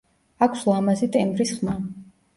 აქვს ლამაზი ტემბრის ხმა.